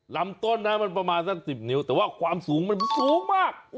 ลำต้นนะมันประมาณสัก๑๐นิ้วแต่ว่าความสูงมันสูงมาก